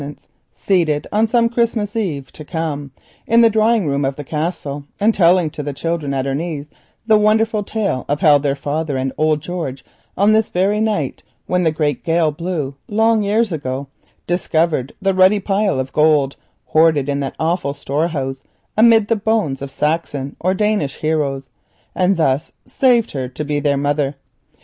We see her seated on some Christmas Eve to come in the drawing room of the Castle, telling to the children at her knees the wonderful tale of how their father and old George on this very night, when the gale blew long years ago, discovered the ruddy pile of gold, hoarded in that awful storehouse amid the bones of Saxon or Danish heroes, and thus saved her to be their mother.